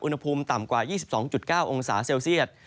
อุณหภูมิต่ำกว่า๒๒๙องศาเซลเซียต